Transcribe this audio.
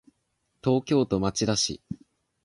東京都町田市